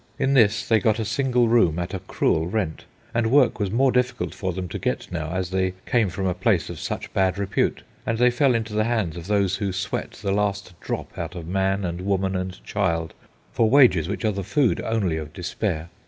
In this they got a single room at a cruel rent, and work was more difficult for them to get now, as they came from a place of such bad repute, and they fell into the hands of those who sweat the last drop out of man and woman and child, for wages which are the food only of despair.